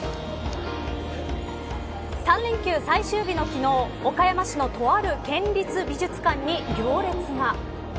３連休最終日の昨日岡山市のとある県立美術館に行列が。